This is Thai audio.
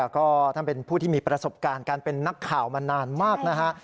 ก็ท่านเป็นผู้ที่มีประสบการณ์การเป็นนักข่าวมานานมากนะฮะ